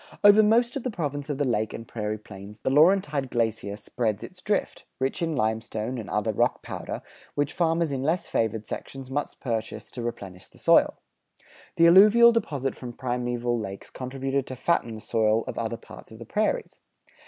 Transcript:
Over most of the Province of the Lake and Prairie Plains the Laurentide glacier spread its drift, rich in limestone and other rock powder, which farmers in less favored sections must purchase to replenish the soil. The alluvial deposit from primeval lakes contributed to fatten the soil of other parts of the prairies.